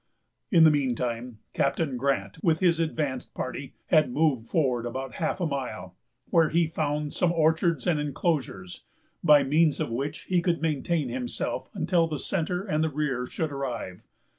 In the mean time, Captain Grant, with his advanced party, had moved forward about half a mile, where he found some orchards and enclosures, by means of which he could maintain himself until the centre and rear should arrive.